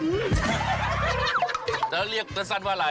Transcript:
เดี๋ยวเรียกทันสั้นว่าอะไร